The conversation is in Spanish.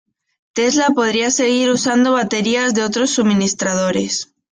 Tesla podrá seguir usando baterías de otros suministradores.